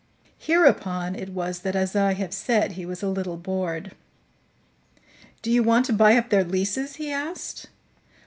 Hereupon it was that, as I have said, he was a little bored. "Do you want to buy up their leases?" he asked.